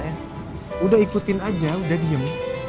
udah ikutin aja udah diem